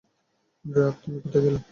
ড্রাক, তুমি কোথায় গেলে?